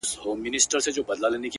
ما په ژړغوني اواز دا يــوه گـيـله وكړه-